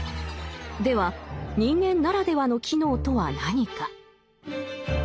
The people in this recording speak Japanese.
では人間ならではの機能とは何か？